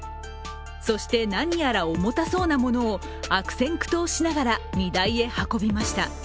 そして、何やら重たそうなものを悪戦苦闘しながら荷台へ運びました。